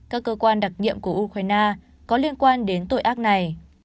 các cơ quan đặc nhiệm của ukraine có liên quan đến tội ác này